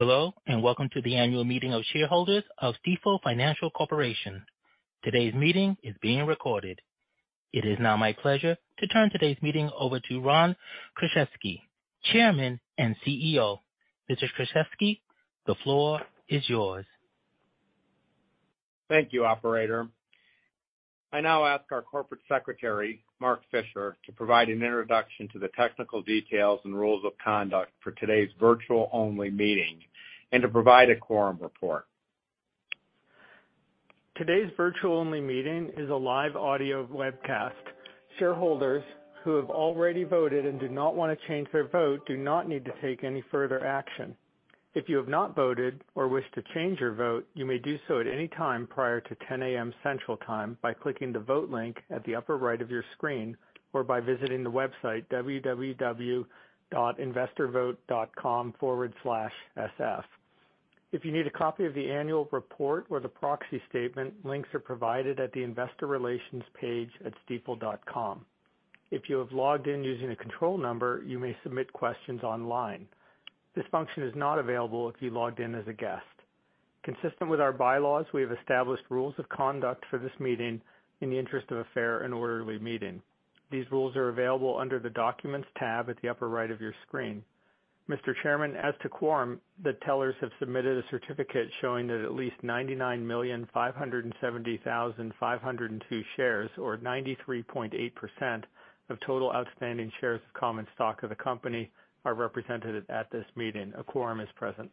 Hello, welcome to the Annual Meeting of Shareholders of Stifel Financial Corp.. Today's meeting is being recorded. It is now my pleasure to turn today's meeting over to Ron Kruszewski, Chairman and CEO. Mr. Kruszewski, the floor is yours. Thank you, operator. I now ask our Corporate Secretary, Mark Fisher, to provide an introduction to the technical details and rules of conduct for today's virtual-only meeting and to provide a quorum report. Today's virtual-only meeting is a live audio webcast. Shareholders who have already voted and do not want to change their vote do not need to take any further action. If you have not voted or wish to change your vote, you may do so at any time prior to 10:00 A.M. Central Time by clicking the vote link at the upper right of your screen, or by visiting the website www.investorvote.com/sf. If you need a copy of the annual report or the proxy statement, links are provided at the investor relations page at stifel.com. If you have logged in using a control number, you may submit questions online. This function is not available if you logged in as a guest. Consistent with our bylaws, we have established rules of conduct for this meeting in the interest of a fair and orderly meeting. These rules are available under the documents tab at the upper right of your screen. Mr. Chairman, as to quorum, the tellers have submitted a certificate showing that at least 99,570,502 shares, or 93.8% of total outstanding shares of common stock of the company, are represented at this meeting. A quorum is present.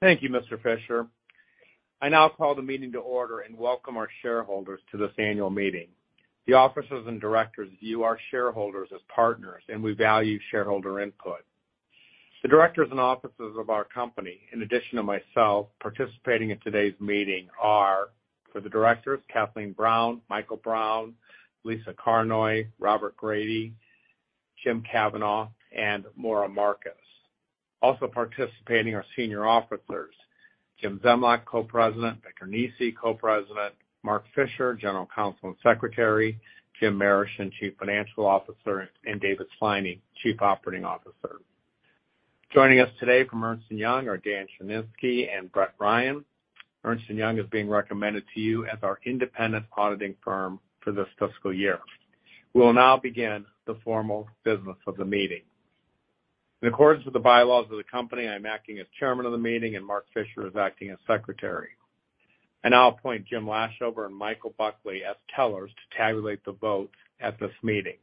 Thank you, Mr. Fisher. I now call the meeting to order and welcome our shareholders to this annual meeting. The officers and directors view our shareholders as partners, and we value shareholder input. The directors and officers of our company, in addition to myself, participating in today's meeting are, for the Directors, Kathleen Brown, Michael Brown, Lisa Carnoy, Robert Grady, Jim Kavanaugh, and Maura Markus. Also participating are Senior Officers, Jim Zemlyak, Co-President; Victor Nesi, Co-President; Mark Fisher, General Counsel and Secretary; Jim Marischen, Chief Financial Officer; and David Sliney, Chief Operating Officer. Joining us today from Ernst & Young are Dan Cherniske and Brett Ryan. Ernst & Young is being recommended to you as our independent auditing firm for this fiscal year. We will now begin the formal business of the meeting. In accordance with the bylaws of the company, I'm acting as Chairman of the meeting, and Mark Fisher is acting as Secretary. I now appoint Jim Lashover and Michael Buckley as tellers to tabulate the votes at this meeting.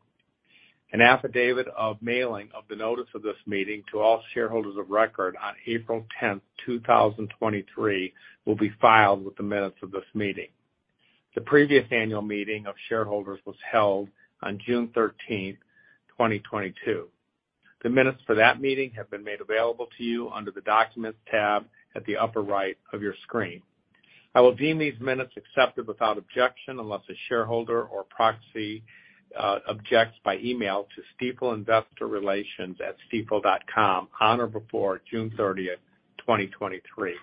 An affidavit of mailing of the notice of this meeting to all shareholders of record on April 10th 2023, will be filed with the minutes of this meeting. The previous annual meeting of shareholders was held on June 13th 2022. The minutes for that meeting have been made available to you under the documents tab at the upper right of your screen. I will deem these minutes accepted without objection, unless a shareholder or proxy objects by email to Stifel Investor Relations at stifel.com on or before June 30th 2023.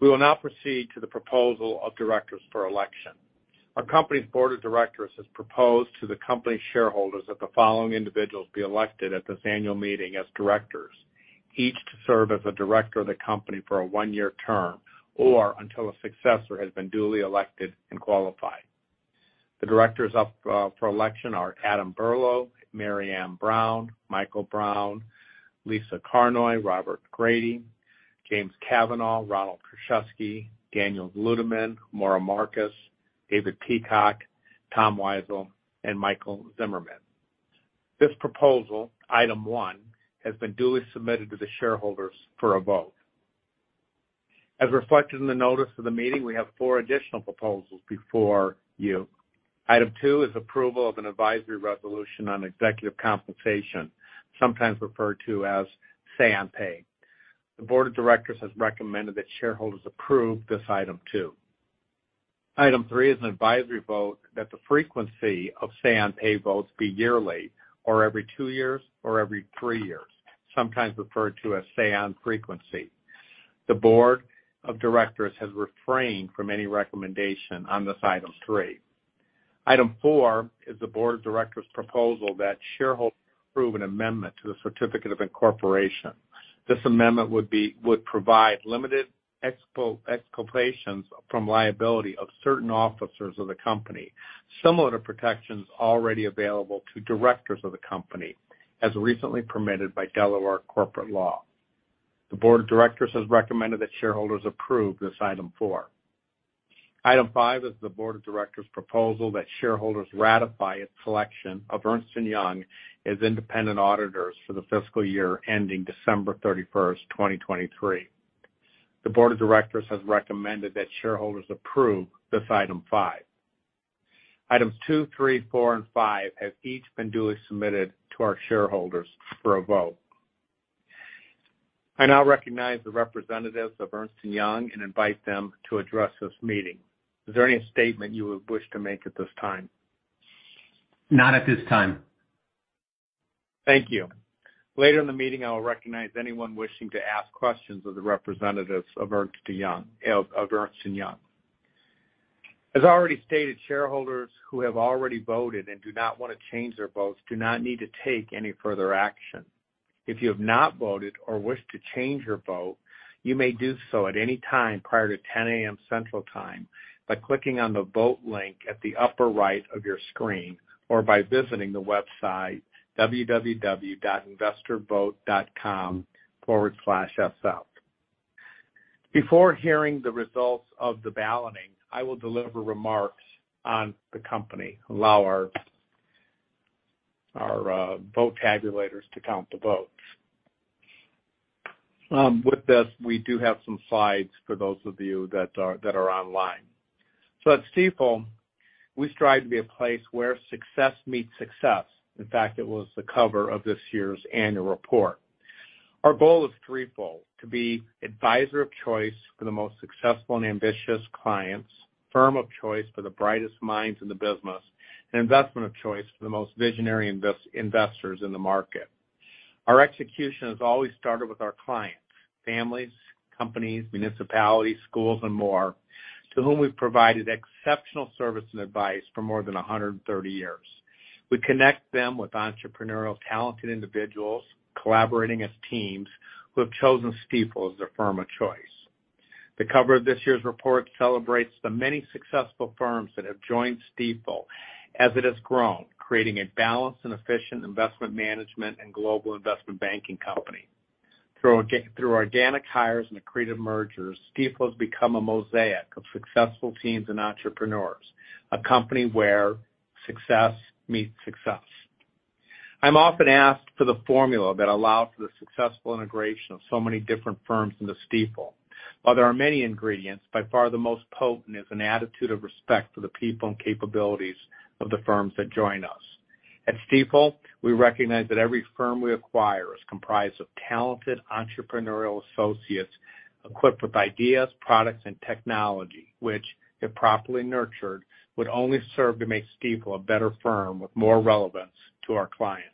We will now proceed to the proposal of directors for election. Our company's board of directors has proposed to the company's shareholders that the following individuals be elected at this annual meeting as directors, each to serve as a director of the company for a one-year term or until a successor has been duly elected and qualified. The directors up for election are Adam Berlew, Maryam Brown, Michael Brown, Lisa Carnoy, Robert Grady, James Kavanaugh, Ronald Kruszewski, Daniel Ludeman, Maura Markus, David Peacock, Tom Weisel, and Michael Zimmerman. This proposal, item one, has been duly submitted to the shareholders for a vote. As reflected in the notice of the meeting, we have four additional proposals before you. Item two is approval of an advisory resolution on executive compensation, sometimes referred to as Say on Pay. The board of directors has recommended that shareholders approve this item two. Item three is an advisory vote that the frequency of Say on Pay votes be yearly, or every two years, or every three years, sometimes referred to as say-on-frequency. The board of directors has refrained from any recommendation on this item three. Item four is the board of directors' proposal that shareholders approve an amendment to the Certificate of Incorporation. This amendment would provide limited exculpations from liability of certain officers of the company, similar to protections already available to directors of the company, as recently permitted by Delaware corporate law. The board of directors has recommended that shareholders approve this item four. Item five is the board of directors' proposal that shareholders ratify its selection of Ernst & Young as independent auditors for the fiscal year ending December 31st 2023. The board of directors has recommended that shareholders approve this item five. Items two, three, four, and five have each been duly submitted to our shareholders for a vote. I now recognize the representatives of Ernst & Young and invite them to address this meeting. Is there any statement you would wish to make at this time? Not at this time. Thank you. Later in the meeting, I will recognize anyone wishing to ask questions of the representatives of Ernst & Young. As already stated, shareholders who have already voted and do not want to change their votes do not need to take any further action. If you have not voted or wish to change your vote, you may do so at any time prior to 10:00 A.M. Central Time by clicking on the vote link at the upper right of your screen, or by visiting the website www.investorvote.com/sf. Before hearing the results of the balloting, I will deliver remarks on the company and allow our vote tabulators to count the votes. With this, we do have some slides for those of you that are online. At Stifel, we strive to be a place where success meets success. In fact, it was the cover of this year's annual report. Our goal is threefold: to be advisor of choice for the most successful and ambitious clients, firm of choice for the brightest minds in the business, and investment of choice for the most visionary investors in the market. Our execution has always started with our clients, families, companies, municipalities, schools, and more, to whom we've provided exceptional service and advice for more than 130 years. We connect them with entrepreneurial, talented individuals, collaborating as teams who have chosen Stifel as their firm of choice. The cover of this year's report celebrates the many successful firms that have joined Stifel as it has grown, creating a balanced and efficient investment management and global investment banking company. Through organic hires and accretive mergers, Stifel has become a mosaic of successful teams and entrepreneurs, a company where success meets success. I'm often asked for the formula that allows for the successful integration of so many different firms into Stifel. While there are many ingredients, by far the most potent is an attitude of respect for the people and capabilities of the firms that join us. At Stifel, we recognize that every firm we acquire is comprised of talented entrepreneurial associates, equipped with ideas, products, and technology, which, if properly nurtured, would only serve to make Stifel a better firm with more relevance to our clients.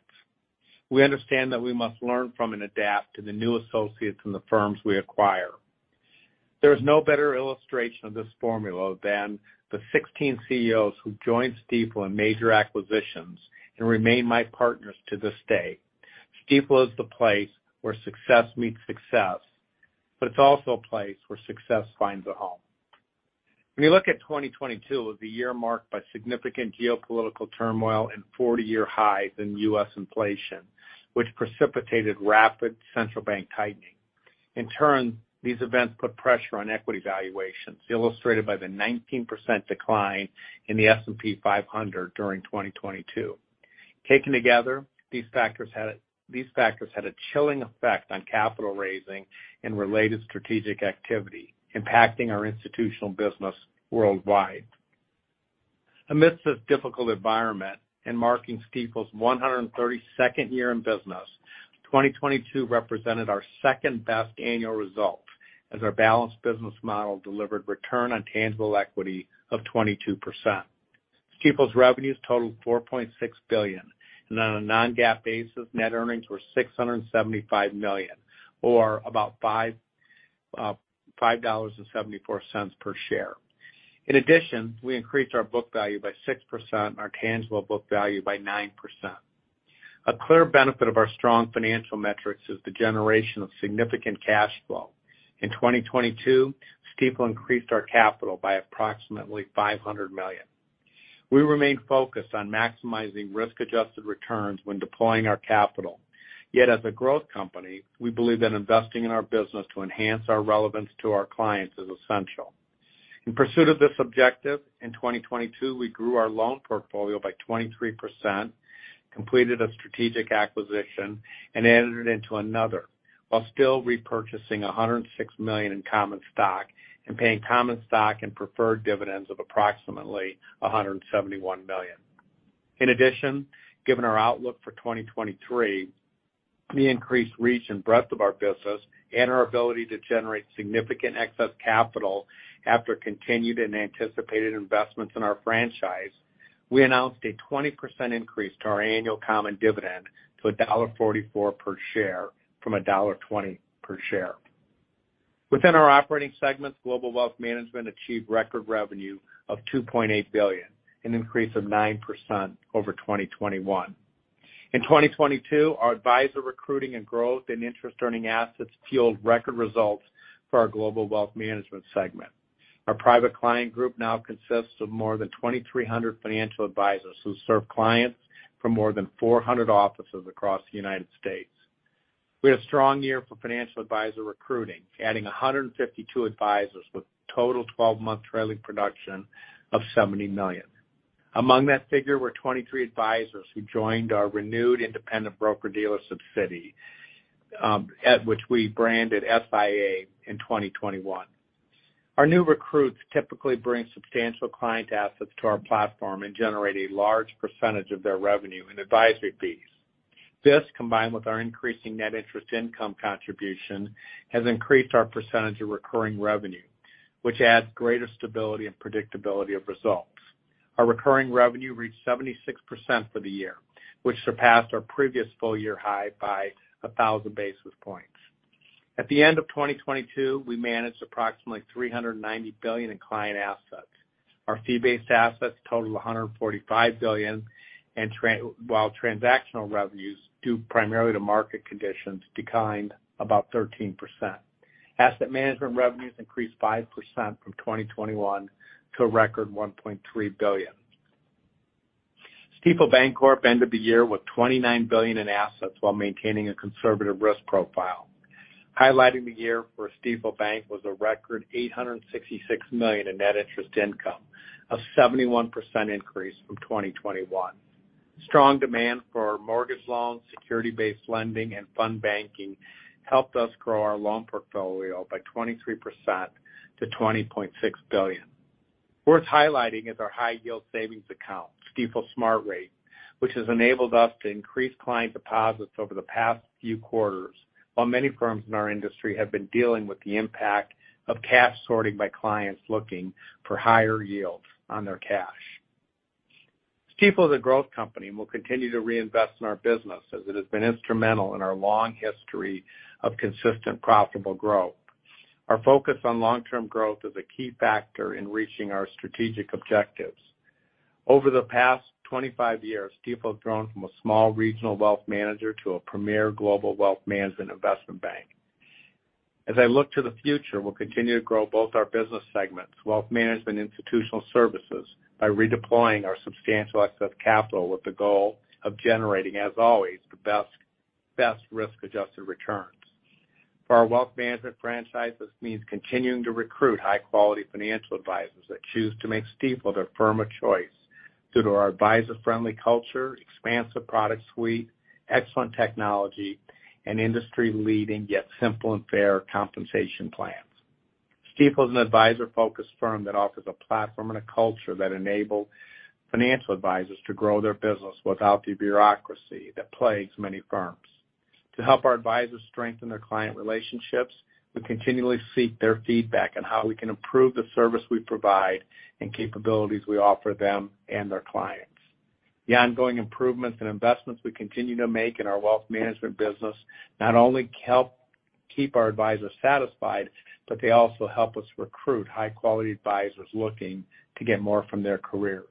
We understand that we must learn from and adapt to the new associates and the firms we acquire. There is no better illustration of this formula than the 16 CEOs who joined Stifel in major acquisitions and remain my partners to this day. Stifel is the place where success meets success. It's also a place where success finds a home. When you look at 2022, it was a year marked by significant geopolitical turmoil and 40-year highs in U.S. inflation, which precipitated rapid central bank tightening. In turn, these events put pressure on equity valuations, illustrated by the 19% decline in the S&P 500 during 2022. Taken together, these factors had a chilling effect on capital raising and related strategic activity, impacting our institutional business worldwide. Amidst this difficult environment and marking Stifel's 132nd year in business, 2022 represented our second-best annual result, as our balanced business model delivered return on tangible equity of 22%. Stifel's revenues totaled $4.6 billion, and on a non-GAAP basis, net earnings were $675 million, or about $5.74 per share. In addition, we increased our book value by 6% and our tangible book value by 9%. A clear benefit of our strong financial metrics is the generation of significant cash flow. In 2022, Stifel increased our capital by approximately $500 million. We remain focused on maximizing risk-adjusted returns when deploying our capital. Yet, as a growth company, we believe that investing in our business to enhance our relevance to our clients is essential. In pursuit of this objective, in 2022, we grew our loan portfolio by 23%, completed a strategic acquisition, and entered into another, while still repurchasing $106 million in common stock and paying common stock and preferred dividends of approximately $171 million. In addition, given our outlook for 2023, the increased reach and breadth of our business and our ability to generate significant excess capital after continued and anticipated investments in our franchise, we announced a 20% increase to our annual common dividend to $1.44 per share from $1.20 per share. Within our operating segments, Global Wealth Management achieved record revenue of $2.8 billion, an increase of 9% over 2021. In 2022, our advisor recruiting and growth in interest earning assets fueled record results for our Global Wealth Management segment. Our private client group now consists of more than 2,300 financial advisors who serve clients from more than 400 offices across the United States. We had a strong year for financial advisor recruiting, adding 152 advisors with total 12-month trailing production of $70 million. Among that figure were 23 advisors who joined our renewed independent broker-dealer subsidy, at which we branded SIA in 2021. Our new recruits typically bring substantial client assets to our platform and generate a large percentage of their revenue in advisory fees. This, combined with our increasing net interest income contribution, has increased our percentage of recurring revenue, which adds greater stability and predictability of results. Our recurring revenue reached 76% for the year, which surpassed our previous full-year high by 1,000 basis points. At the end of 2022, we managed approximately $390 billion in client assets. Our fee-based assets totaled $145 billion, while transactional revenues, due primarily to market conditions, declined about 13%. Asset management revenues increased 5% from 2021 to a record $1.3 billion. Stifel Bank Corp ended the year with $29 billion in assets while maintaining a conservative risk profile. Highlighting the year for Stifel Bank was a record $866 million in net interest income, a 71% increase from 2021. Strong demand for our mortgage loans, security-based lending, and fund banking helped us grow our loan portfolio by 23% to $20.6 billion. Worth highlighting is our high-yield savings account, Stifel Smart Rate, which has enabled us to increase client deposits over the past few quarters, while many firms in our industry have been dealing with the impact of cash sorting by clients looking for higher yields on their cash. Stifel is a growth company and will continue to reinvest in our business, as it has been instrumental in our long history of consistent, profitable growth. Our focus on long-term growth is a key factor in reaching our strategic objectives. Over the past 25 years, Stifel has grown from a small regional wealth manager to a premier global wealth management investment bank. As I look to the future, we'll continue to grow both our business segments, wealth management, and institutional services, by redeploying our substantial excess capital with the goal of generating, as always, the best risk-adjusted returns. For our wealth management franchise, this means continuing to recruit high-quality financial advisors that choose to make Stifel their firm of choice due to our advisor-friendly culture, expansive product suite, excellent technology, and industry-leading, yet simple and fair compensation plans. Stifel is an advisor-focused firm that offers a platform and a culture that enable financial advisors to grow their business without the bureaucracy that plagues many firms. To help our advisors strengthen their client relationships, we continually seek their feedback on how we can improve the service we provide and capabilities we offer them and their clients. The ongoing improvements and investments we continue to make in our wealth management business not only help keep our advisors satisfied, but they also help us recruit high-quality advisors looking to get more from their careers.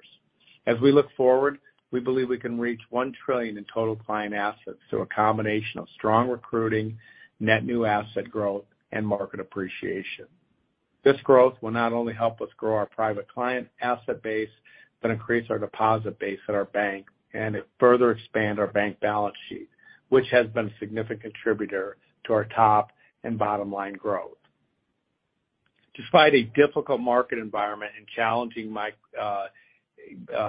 As we look forward, we believe we can reach $1 trillion in total client assets through a combination of strong recruiting, net new asset growth, and market appreciation. This growth will not only help us grow our private client asset base, but increase our deposit base at our bank, and it further expand our bank balance sheet, which has been a significant contributor to our top and bottom line growth. Despite a difficult market environment and challenging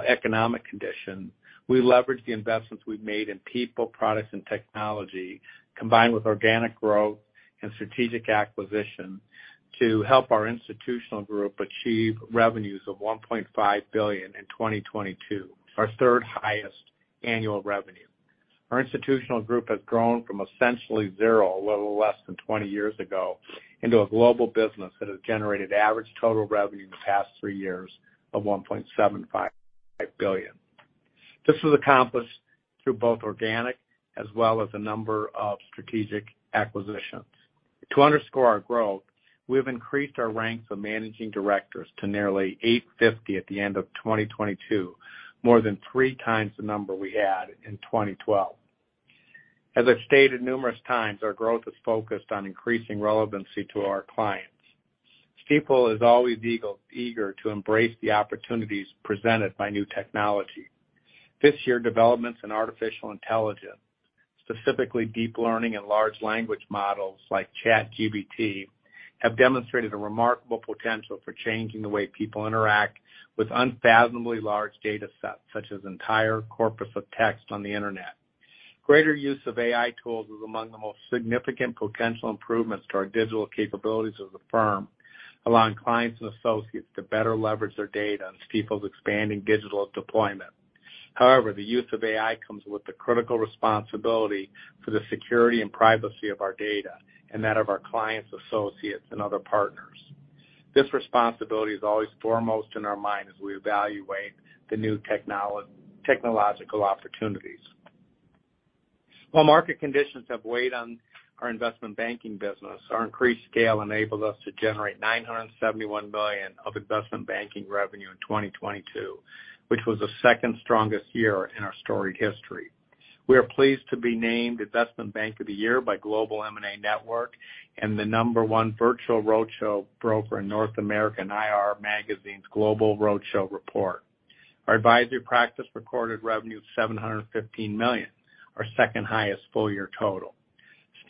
economic conditions, we leveraged the investments we've made in people, products, and technology, combined with organic growth and strategic acquisition, to help our institutional group achieve revenues of $1.5 billion in 2022, our third-highest annual revenue. Our institutional group has grown from essentially zero, a little less than 20 years ago, into a global business that has generated average total revenue in the past three years of $1.75 billion. This was accomplished through both organic as well as a number of strategic acquisitions. To underscore our growth, we have increased our ranks of managing directors to nearly 850 at the end of 2022, more than three times the number we had in 2012. As I've stated numerous times, our growth is focused on increasing relevancy to our clients. Stifel is always eager to embrace the opportunities presented by new technology. This year, developments in artificial intelligence, specifically deep learning and large language models like ChatGPT, have demonstrated a remarkable potential for changing the way people interact with unfathomably large data sets, such as entire corpus of text on the internet. Greater use of AI tools is among the most significant potential improvements to our digital capabilities as a firm, allowing clients and associates to better leverage their data on Stifel's expanding digital deployment. However, the use of AI comes with the critical responsibility for the security and privacy of our data and that of our clients, associates, and other partners. This responsibility is always foremost in our mind as we evaluate the new technological opportunities. While market conditions have weighed on our investment banking business, our increased scale enabled us to generate $971 million of investment banking revenue in 2022, which was the second strongest year in our storied history. We are pleased to be named Investment Bank of the Year by Global M&A Network and the number one virtual roadshow broker in North America and IR Magazine's Global Roadshow Report. Our advisory practice recorded revenue of $715 million, our second-highest full-year total.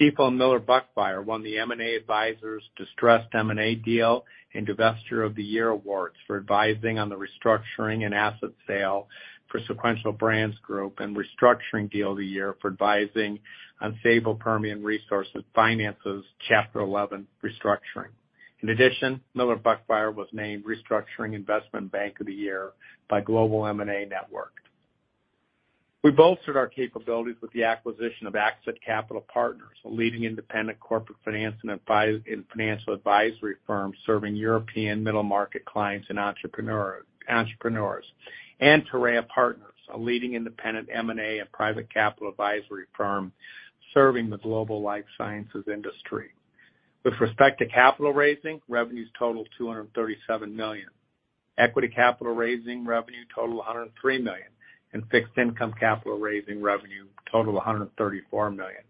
Stifel Miller Buckfire won the M&A Advisor's Distressed M&A Deal and Divestiture of the Year awards for advising on the restructuring and asset sale for Sequential Brands Group, and Restructuring Deal of the Year for advising on Sable Permian Resources' Chapter 11 restructuring. In addition, Miller Buckfire was named Restructuring Investment Bank of the Year by Global M&A Network. We bolstered our capabilities with the acquisition of ACXIT Capital Partners, a leading independent corporate finance and financial advisory firm serving European middle-market clients and entrepreneurs. Torreya Partners, a leading independent M&A and private capital advisory firm, serving the global life sciences industry. With respect to capital raising, revenues totaled $237 million. Equity capital raising revenue totaled $103 million, and fixed income capital raising revenue totaled $134 million.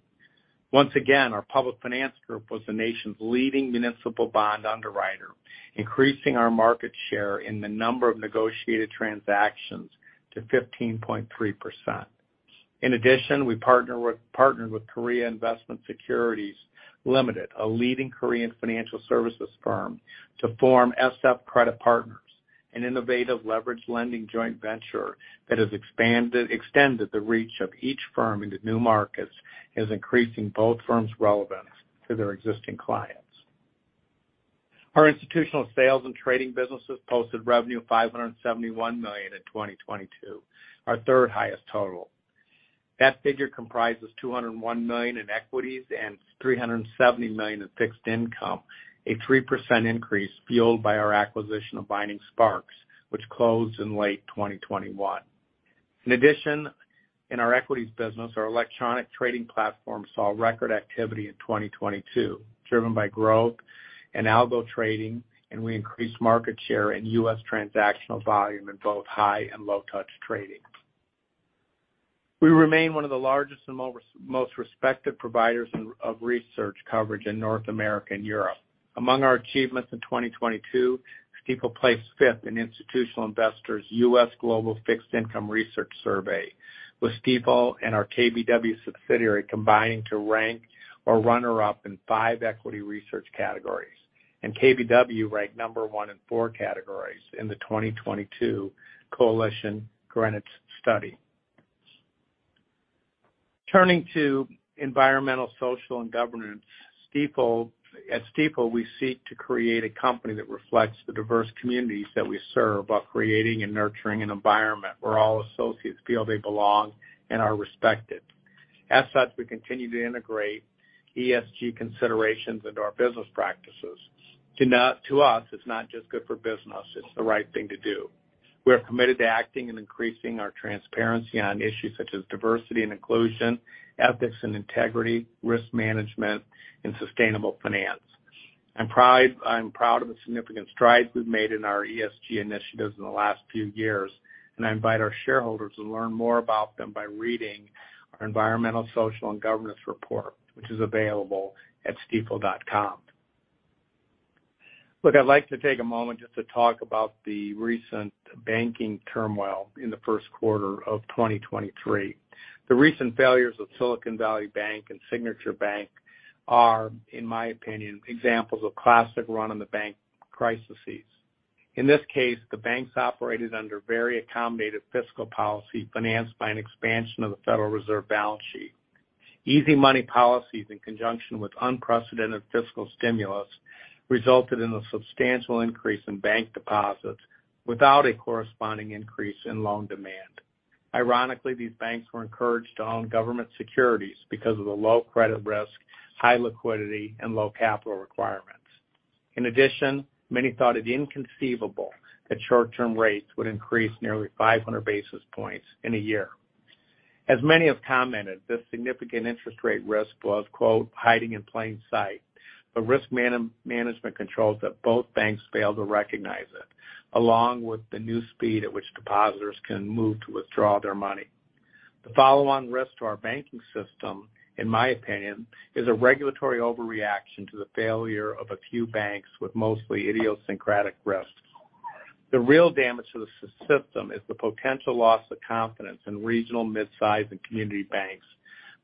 Once again, our public finance group was the nation's leading municipal bond underwriter, increasing our market share in the number of negotiated transactions to 15.3%. In addition, we partnered with Korea Investment & Securities Limited, a leading Korean financial services firm, to form SF Credit Partners, an innovative leverage lending joint venture that has extended the reach of each firm into new markets and is increasing both firms' relevance to their existing clients. Our institutional sales and trading businesses posted revenue of $571 million in 2022, our third-highest total. That figure comprises $201 million in equities and $370 million in fixed income, a 3% increase fueled by our acquisition of Vining Sparks, which closed in late 2021. In addition, in our equities business, our electronic trading platform saw record activity in 2022, driven by growth and algo trading, and we increased market share in U.S. transactional volume in both high and low-touch trading. We remain one of the largest and most respected providers of research coverage in North America and Europe. Among our achievements in 2022, Stifel placed fifth in Institutional Investor's U.S. Global Fixed Income Research Survey, with Stifel and our KBW subsidiary combining to rank our runner-up in five equity research categories, and KBW ranked number one in four categories in the 2022 Coalition Greenwich Study. Turning to environmental, social, and governance, at Stifel, we seek to create a company that reflects the diverse communities that we serve while creating and nurturing an environment where all associates feel they belong and are respected. As such, we continue to integrate ESG considerations into our business practices. To us, it's not just good for business, it's the right thing to do. We are committed to acting and increasing our transparency on issues such as diversity and inclusion, ethics and integrity, risk management, and sustainable finance. I'm proud of the significant strides we've made in our ESG initiatives in the last few years, and I invite our shareholders to learn more about them by reading our environmental, social, and governance report, which is available at stifel.com. Look, I'd like to take a moment just to talk about the recent banking turmoil in the first quarter of 2023. The recent failures of Silicon Valley Bank and Signature Bank are, in my opinion, examples of classic run-on-the-bank crises. In this case, the banks operated under very accommodative fiscal policy, financed by an expansion of the Federal Reserve balance sheet. Easy money policies, in conjunction with unprecedented fiscal stimulus, resulted in a substantial increase in bank deposits without a corresponding increase in loan demand. Ironically, these banks were encouraged to own government securities because of the low credit risk, high liquidity, and low capital requirements. In addition, many thought it inconceivable that short-term rates would increase nearly 500 basis points in a year. As many have commented, this significant interest rate risk was, quote, "hiding in plain sight," but risk management controls that both banks failed to recognize it, along with the new speed at which depositors can move to withdraw their money. The follow-on risk to our banking system, in my opinion, is a regulatory overreaction to the failure of a few banks with mostly idiosyncratic risks. The real damage to the system is the potential loss of confidence in regional, mid-size, and community banks,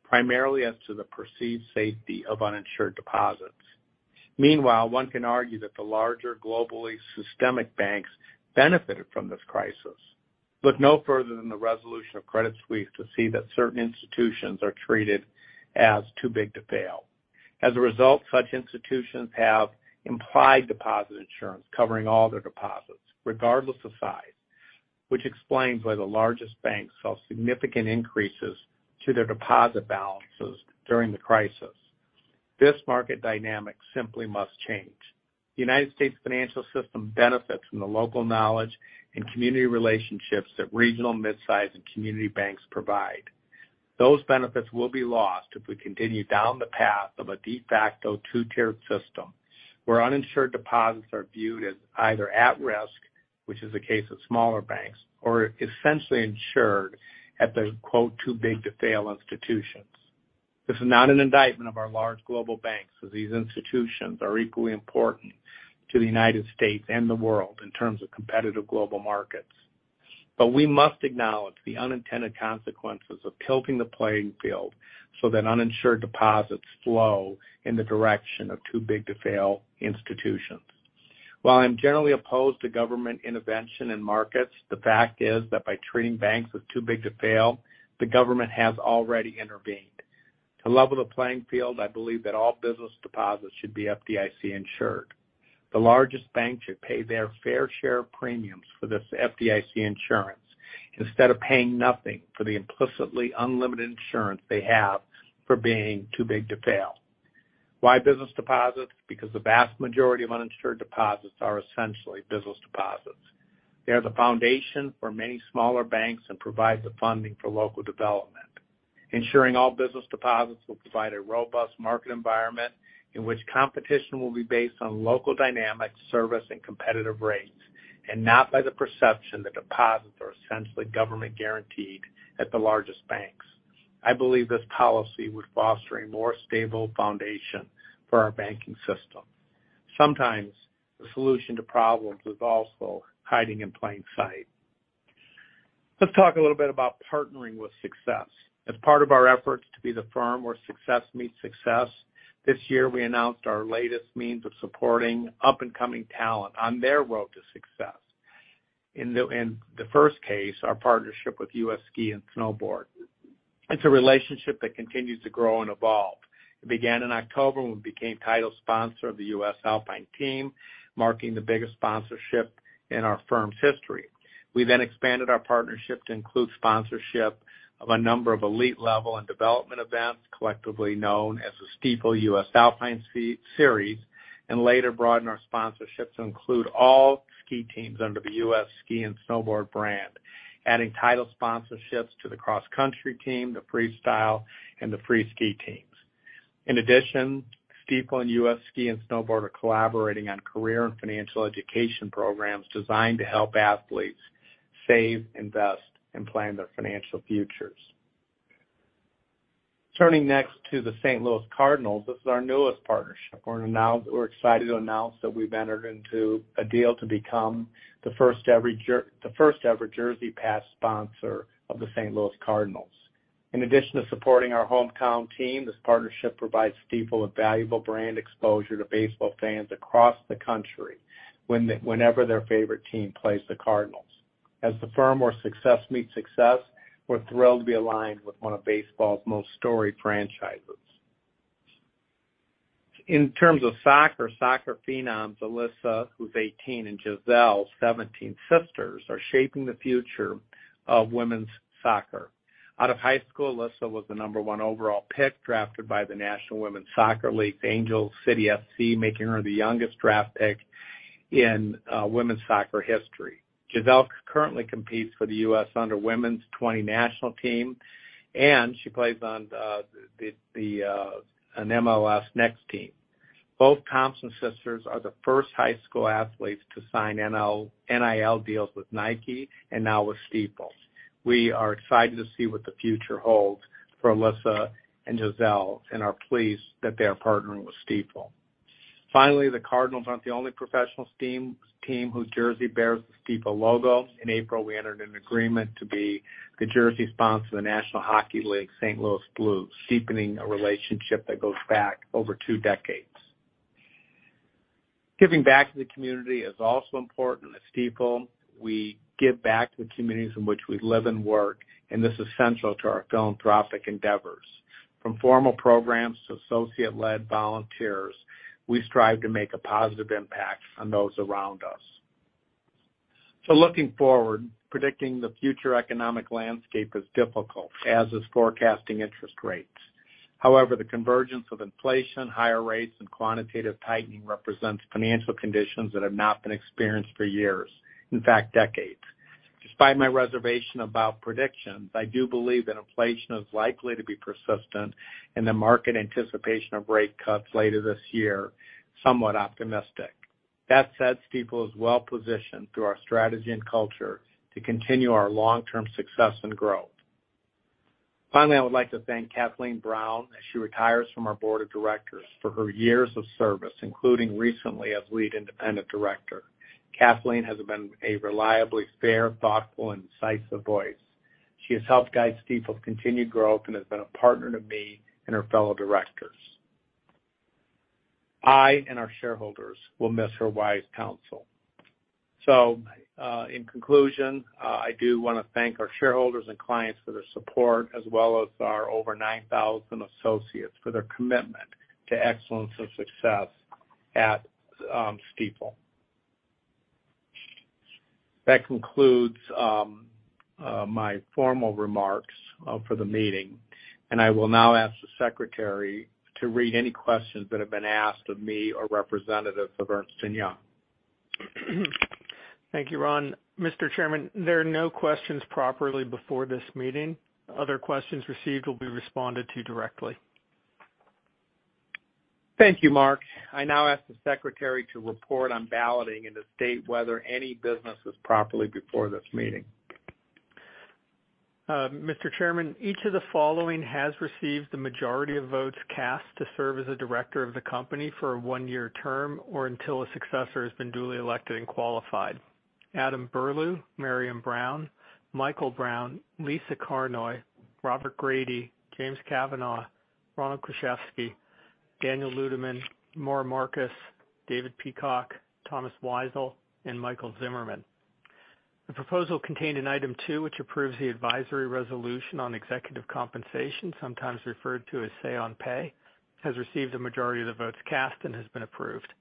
primarily as to the perceived safety of uninsured deposits. Meanwhile, one can argue that the larger, globally systemic banks benefited from this crisis. Look no further than the resolution of Credit Suisse to see that certain institutions are treated as too big to fail. As a result, such institutions have implied deposit insurance, covering all their deposits, regardless of size, which explains why the largest banks saw significant increases to their deposit balances during the crisis. This market dynamic simply must change. The United States financial system benefits from the local knowledge and community relationships that regional, mid-size, and community banks provide. Those benefits will be lost if we continue down the path of a de facto two-tiered system, where uninsured deposits are viewed as either at risk, which is the case of smaller banks, or essentially insured at the, quote, "too big to fail institutions." This is not an indictment of our large global banks, as these institutions are equally important to the United States and the world in terms of competitive global markets. We must acknowledge the unintended consequences of tilting the playing field so that uninsured deposits flow in the direction of too big to fail institutions. While I'm generally opposed to government intervention in markets, the fact is that by treating banks as too big to fail, the government has already intervened. To level the playing field, I believe that all business deposits should be FDIC insured. The largest bank should pay their fair share of premiums for this FDIC insurance, instead of paying nothing for the implicitly unlimited insurance they have for being too big to fail. Why business deposits? Because the vast majority of uninsured deposits are essentially business deposits. They are the foundation for many smaller banks and provide the funding for local development. Ensuring all business deposits will provide a robust market environment in which competition will be based on local dynamics, service, and competitive rates, and not by the perception that deposits are essentially government-guaranteed at the largest banks. I believe this policy would foster a more stable foundation for our banking system. Sometimes the solution to problems is also hiding in plain sight. Let's talk a little bit about partnering with success. As part of our efforts to be the firm where success meets success, this year we announced our latest means of supporting up-and-coming talent on their road to success. In the first case, our partnership with U.S. Ski & Snowboard. It's a relationship that continues to grow and evolve. It began in October, when we became title sponsor of the U.S. Alpine Ski Team, marking the biggest sponsorship in our firm's history. We expanded our partnership to include sponsorship of a number of elite level and development events, collectively known as the Stifel U.S. Alpine Series, and later broadened our sponsorship to include all ski teams under the U.S. Ski & Snowboard brand, adding title sponsorships to the cross-country team, the freestyle, and the free ski teams. In addition, Stifel and U.S. Ski & Snowboard are collaborating on career and financial education programs designed to help athletes save, invest, and plan their financial futures. Turning next to the St. Louis Cardinals, this is our newest partnership. We're excited to announce that we've entered into a deal to become the first-ever jersey patch sponsor of the St. Louis Cardinals. In addition to supporting our hometown team, this partnership provides Stifel with valuable brand exposure to baseball fans across the country whenever their favorite team plays the Cardinals. As the firm where success meets success, we're thrilled to be aligned with one of baseball's most storied franchises. In terms of soccer phenoms, Alyssa, who's 18, and Gisele, 17, sisters, are shaping the future of women's soccer. Out of high school, Alyssa was the number one overall pick, drafted by the National Women's Soccer League, Angel City FC, making her the youngest draft pick in women's soccer history. Gisele currently competes for the U.S. under Women's 20 National Team, and she plays on the NLS next team. Both Thompson sisters are the first high school athletes to sign NIL deals with Nike and now with Stifel. We are excited to see what the future holds for Alyssa and Gisele and are pleased that they are partnering with Stifel. The Cardinals aren't the only professional team whose jersey bears the Stifel logo. In April, we entered an agreement to be the jersey sponsor of the National Hockey League, St. Louis Blues, deepening a relationship that goes back over two decades. Giving back to the community is also important. At Stifel, we give back to the communities in which we live and work, this is central to our philanthropic endeavors. From formal programs to associate-led volunteers, we strive to make a positive impact on those around us. Looking forward, predicting the future economic landscape is difficult, as is forecasting interest rates. However, the convergence of inflation, higher rates, and quantitative tightening represents financial conditions that have not been experienced for years, in fact, decades. Despite my reservation about predictions, I do believe that inflation is likely to be persistent and the market anticipation of rate cuts later this year, somewhat optimistic. That said, Stifel is well-positioned through our strategy and culture to continue our long-term success and growth. Finally, I would like to thank Kathleen Brown as she retires from our Board of Directors, for her years of service, including recently as Lead Independent Director. Kathleen has been a reliably fair, thoughtful, and incisive voice. She has helped guide Stifel's continued growth and has been a partner to me and her fellow directors. I and our shareholders will miss her wise counsel. In conclusion, I do want to thank our shareholders and clients for their support, as well as our over 9,000 associates for their commitment to excellence and success at Stifel. That concludes my formal remarks for the meeting, and I will now ask the secretary to read any questions that have been asked of me or representatives of Ernst & Young. Thank you, Ron. Mr. Chairman, there are no questions properly before this meeting. Other questions received will be responded to directly. Thank you, Mark. I now ask the secretary to report on balloting and to state whether any business was properly before this meeting. Mr. Chairman, each of the following has received the majority of votes cast to serve as a director of the company for a one-year term or until a successor has been duly elected and qualified. Adam Berlew, Maryam Brown, Michael Brown, Lisa Carnoy, Robert Grady, James Kavanaugh, Ronald Kruszewski, Daniel Ludeman, Maura Markus, David Peacock, Thomas Weisel, and Michael Zimmerman. The proposal contained in item two, which approves the advisory resolution on executive compensation, sometimes referred to as Say on Pay, has received a majority of the votes cast and has been approved.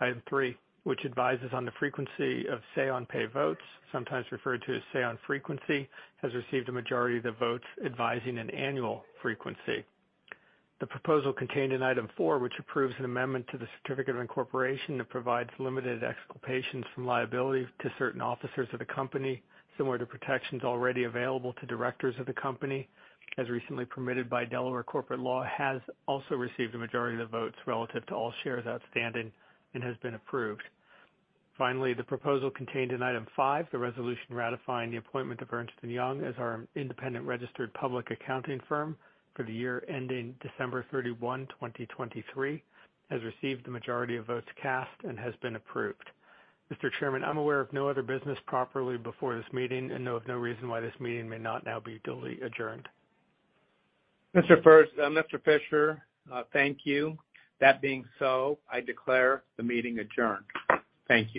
Item three, which advises on the frequency of Say on Pay votes, sometimes referred to as say-on-frequency, has received a majority of the votes advising an annual frequency. The proposal contained in item four, which approves an amendment to the certificate of incorporation that provides limited exculpations from liability to certain officers of the company, similar to protections already available to directors of the company, as recently permitted by Delaware corporate law, has also received a majority of the votes relative to all shares outstanding and has been approved. The proposal contained in item five, the resolution ratifying the appointment of Ernst & Young as our independent registered public accounting firm for the year ending December 31, 2023, has received the majority of votes cast and has been approved. Mr. Chairman, I'm aware of no other business properly before this meeting and know of no reason why this meeting may not now be duly adjourned. Mr. Fisher, thank you. That being so, I declare the meeting adjourned. Thank you.